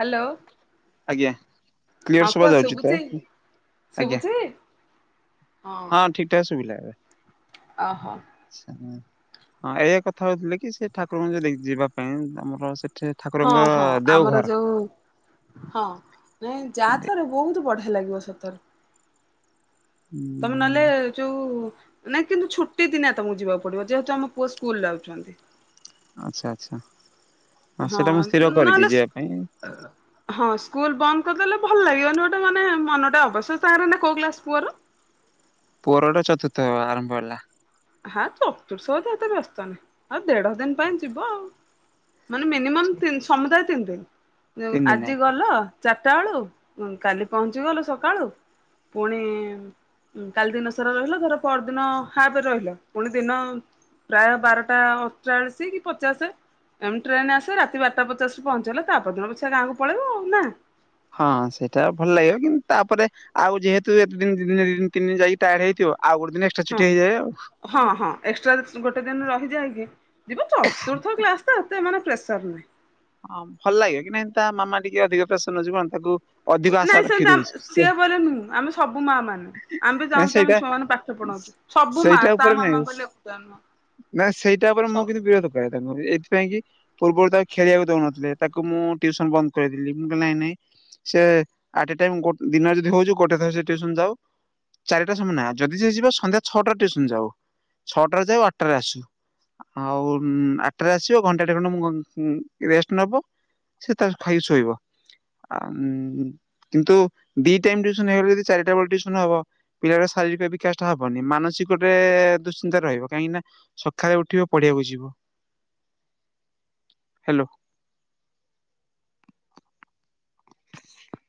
Hello. ଆଜ୍ଞା clear ହଁ ଶୁଭା ପୁଅ ଯାଉଛି ତ ଶୁଭୁଚି ଆଜ୍ଞା ଶୁଭୁଚି? ହଁ ଠିକଠାକ ଶୁବିଲା ଏବେ। ଆହ। ଆଛା ମୁଁ ହଁ ଏଇଆ କଥା ହୋଉଥିଲେ କି ସେ ଠାକୁରଙ୍କୁ ଯଦି ଯିବାପାଇଁ ଆମର ସେଠି ହଁ ଠାକୁରଙ୍କ ହଁ ଆମର ଦେଓଘର ଯୋଉ ହଁ ନାଇଁ ଯାଆ ଥରେ ବୋହୁତ ବଢିଆ ଲାଗିବ ସତରେ। ତମେ ନ ଉଁ ହଲେ ଯୋଉ ନାଇଁ କିନ୍ତୁ ଛୁଟି ଦିନିଆ ତମକୁ ଯିବାକୁ ପଡିବ ଯେହେତୁ ଆମ ପୁଅ ସ୍କୁଲ ଯାଉଛନ୍ତି। ଆଚ୍ଛା ଆଚ୍ଛା ହଁ ସେଟା ମୁଁ ସ୍ଥିର କରିଚି ନହେଲେ ଯିବା ପାଇଁ। ହଁ ସ୍କୁଲ ବନ୍ଦ କରିଦେଲେ ଭଲ ଲାଗିବନି ଗୋଟେ ମାନେ ମନଟା ଅବଶ୍ୟ ତାରେ ନା କୋଉ କ୍ଲାସ ପୁଅର? ପୁଅର ଏଟା ଚତୁର୍ଥ ହବା ଆରମ୍ଭ ହେଲା। ହାଁ ଚତୁର୍ଥ ତ ଏତେ ବ୍ୟସ୍ତ ନାହିଁ ଆଉ ଦେଢ ଦିନ ପାଇଁ ଯିବ ଆଉ। ମାନେ ମିନିମମ୍ ତିନ୍ ସମୁଦାୟ ତିନି ଦିନ ଯୋଉ ତିନି ଦିନ ଆଜି ଆଜ୍ଞା ଗଲ ଚାରଟା ବେଳୁ ଉଁ କାଲି ପହଞ୍ଚିଗଲ ସକାଳୁ ପୁଣି ଉଁ କାଲି ଦିନସାରା ରହିଲ ଧର ପଅରଦିନ ହାପେ ରହିଲ। ପୁଣି ଦିନ ପ୍ରାୟ ବାରଟା ଅରଚାଳିଶି କି ପଚାଶେ ଏମି ଟ୍ରେନେ ଆସେ ରାତି ବାରଟା ପଚଶରୁ ପହଞ୍ଚିଗଲେ ତାପରଦିନ ପଛେ ଗାଁକୁ ପଳେଇବ ଆଉ ନା। ହଁ ସେଇଟା ଭଲ ଲାଗିବ କିନ୍ତୁ ତାପରେ ଆଉ ଯେହେତୁ ଏତେ ଦିନ୍ ଦି ଦିନ୍ ଦି ଦିନ୍ ତିିନ ଦିନ ଯାଇକି ଟାଏଡ ହେଇଥିବ ଆଉ ଗୋଟେ ଦିନ ଏସ୍ ହଁ ହଁ ହଁ ଏକ୍ସଟ୍ରା ଗୋଟେ ଦିନ ରହିଯାଇକି ଯିବ ଚତୁର୍ଥ କ୍ଲାସ ତ ହେତେ ମାନେ ପ୍ରେସର ନାହିଁ। ହଁ ଭଲ ଲାଗିବ କି ନାଇଁ ତା ମାମା ଟିକେ ଅଧିକ ପ୍ରେଶନ ଯିବ ନ୍ ତାକୁ ଅଧିକ ଆଶା ନାଇଁ ରଖି ସେମତି ଦଉଛି ଆମେ ସେ ସିଏ ବୋଇଲି ନୁହୁଁ ଆମେ ସବୁ ମାଆମାନେ ଆମେ ବି ନା ଚାହୁଁଚୁ ଆମ ସେଇଟା ଛୁଆମାନେ ପାଠ ପଢନ୍ତୁ। ସବୁ ମାଆ ସେଇଟା ତା ଉପରେ ନାଇଁ ମାମା ବୋଇଲେ ଏକୁଟିଆ ନୁହଁ। ନା ସେଇଟା ଓପରେ ମୁଁ କିନ୍ତୁ ବିରୋଧ କରେ ତାଙ୍କୁ ଏଇଥିପାଇଁ କି ପୂର୍ବରୁ ତାକୁ ଖେଳିବାକୁ ଦୋଉନଥିଲେ ତାକୁ ମୁଁ ଟ୍ୟୁସନ ବନ୍ଦ କରେଇଦେଲି ମୁଁ କହିଲି ନାଇଁ ନାଇଁ ସେ ଆଟ୍ ଏ ଟାଇମ୍ ଗୋ ଦିନରେ ଯଦି ହୋଉଚି ଗୋଟେ ଥର ସେ ଟ୍ୟୁସନ୍ ଯାଉ। ଚାରିଟା ସମୟ ନା ଯଦି ସିଏ ଯିବା ସନ୍ଧ୍ୟା ଛଅଟା ଟ୍ୟୁସନ୍ ଯାଉ ଛଅଟାରେ ଯାଉ ଆଠଟାରେ ଆସୁ। ଆଉ ଉଁ ଆଟଟାରେ ଆସିବ ଘଣ୍ଟାଟେ ଖଣ୍ଡେ ମୁହଁ ଉଁ ରେଷ୍ଟ୍ ନବ ସେ ତାର ଖାଇକି ଶୋଇବ ଆଉମ୍ କିନ୍ତୁ ଦି ଟାଇମ୍ ଟ୍ୟୁସନ ହେଇଗଲେ ଯଦି ଚାରିଟାବେଳେ ଟ୍ୟୁସନ ହବ ପିଲାର ଶାରିରୀ ପାଇ ବିକାଶଟା ହବନି ମାନସିକଟେ ଦୁଶ୍ଚିନ୍ତା ରହିବ କାହିଁକିନା ସଖାଳେ ଉଠିବେ ପଢିବାକୁ ଯିବ। ହ୍ୟାଲୋ।